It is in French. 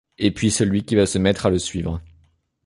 Et puis celui qui va se mettre à le suivre.